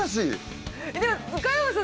でも加山さん